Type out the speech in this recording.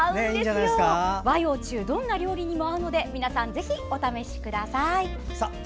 和洋中どんな料理にも合うので皆さんぜひお試しください。